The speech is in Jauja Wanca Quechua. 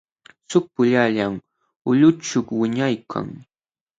Suk puyallam ulqućhu wiñaykan.